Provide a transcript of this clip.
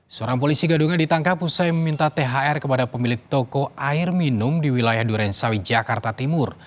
seorang polisi gadungan ditangkap usai meminta thr kepada pemilik toko air minum di wilayah durensawi jakarta timur